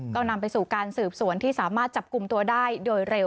ก็นำไปสู่การสืบสวนที่สามารถจับกลุ่มตัวได้โดยเร็ว